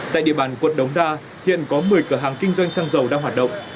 tại địa bàn quận đống đa hiện có một mươi cửa hàng kinh doanh xăng dầu đang hoạt động